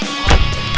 lo sudah bisa berhenti